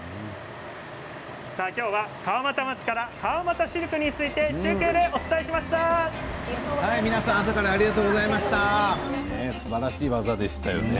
今日は川俣町から川俣シルクについてすばらしい技でしたね。